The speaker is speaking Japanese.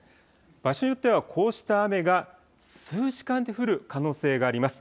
場所によってはこうした雨が、数時間で降る可能性があります。